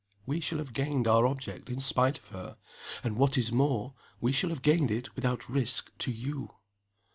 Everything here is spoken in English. We shall have gained our object in spite of her and, what is more, we shall have gained it without risk to _you.